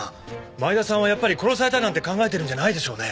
前田さんはやっぱり殺されたなんて考えてるんじゃないでしょうね？